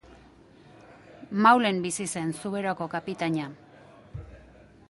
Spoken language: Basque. Maulen bizi zen Zuberoako kapitaina.